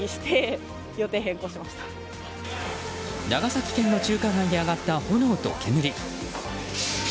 長崎県の繁華街で上がった炎と煙。